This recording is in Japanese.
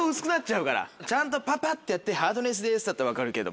ちゃんとパパってやって「ハートのエースです」だったら分かるけど。